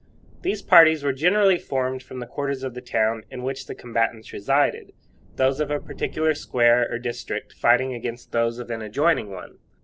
These parties were generally formed from the quarters of the town in which the combatants resided, those of a particular square or district fighting against those of an adjoining one.